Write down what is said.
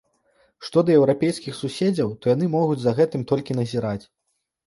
Што да еўрапейскіх суседзяў, то яны могуць за гэтым толькі назіраць.